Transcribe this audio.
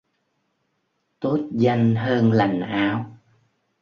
Tốt danh hơn lành áo.